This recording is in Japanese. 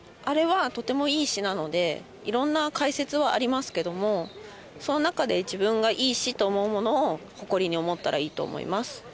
あれはとてもいい詞なので色んな解説はありますけどもその中で自分がいい詞と思うものを誇りに思ったらいいと思います